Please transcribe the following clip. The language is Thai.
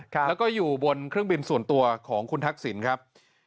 แล้วก็อยู่บนเครื่องบินส่วนตัวของคุณทักษิณครับ